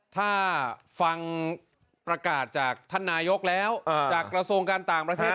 ถ้าฟังประกาศจากท่านนายกแล้วจากกระทรวงการต่างประเทศ